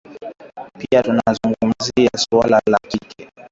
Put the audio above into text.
Pia tulizungumzia suala la kile